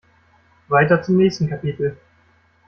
Weiter zum nächsten Kapitel.